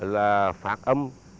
là phát âm